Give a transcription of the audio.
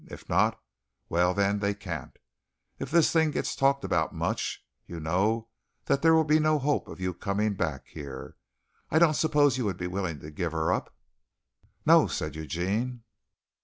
If not, well then they can't. If this thing gets talked about much, you know that there will be no hope of your coming back here. I don't suppose you would be willing to give her up?" "No," said Eugene.